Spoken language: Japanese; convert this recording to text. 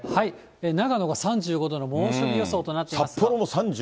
長野が３５度の猛暑日予想となっていますが。